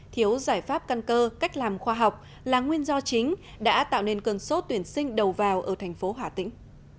thiếu giải pháp căn cơ cách làm khoa học là nguyên do chính đã tạo nên cơn sốt tuyển sinh đầu vào ở thành phố hà tĩnh